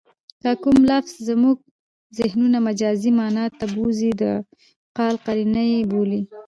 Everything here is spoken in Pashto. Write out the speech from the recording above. که کوم لفظ زمونږ ذهنونه مجازي مانا ته بوځي؛ د قال قرینه ئې بولي.